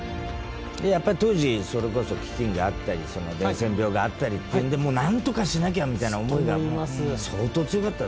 やっぱ当時それこそ飢饉であったり伝染病があったりっていうのでもうなんとかしなきゃみたいな思いが相当強かった。